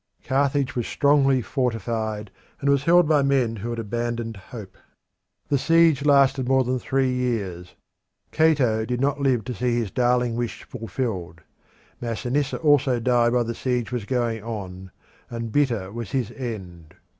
Carthage was strongly fortified, and it was held by men who had abandoned hope. The siege lasted more than three years. Cato did not live to see his darling wish fulfilled. Masinissa also died while the siege was going on, and bitter was his end.